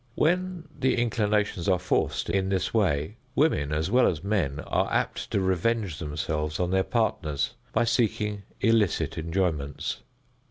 When the inclinations are forced in this way, women, as well as men, are apt to revenge themselves on their partners by seeking illicit enjoyments.